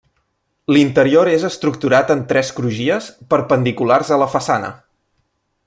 L'interior és estructurat en tres crugies perpendiculars a la façana.